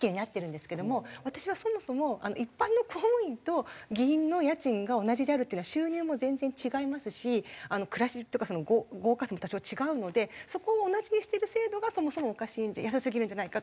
私はそもそも一般の公務員と議員の家賃が同じであるっていうのは収入も全然違いますし暮らしとか豪華さも多少違うのでそこを同じにしてる制度がそもそもおかしいんじゃ安すぎるんじゃないかと。